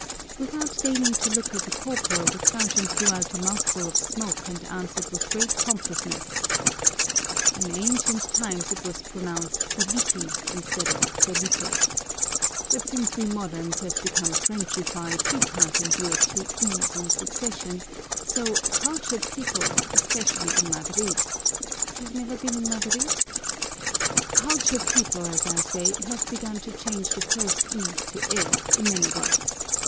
Without deigning to look at the corporal the sergeant blew out a mouthful of smoke and answered with great pompousness, "In ancient times it was pronounced Filipi instead of Felipe. But since we moderns have become Frenchified we can't endure two i's in succession, so cultured people, especially in Madrid you've never been in Madrid? cultured people, as I say, have begun to change the first i to e in many words.